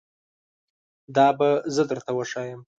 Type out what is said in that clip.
دا به زه درته وښایم